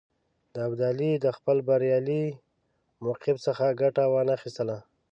ابدالي د خپل بریالي موقف څخه ګټه وانه خیستله.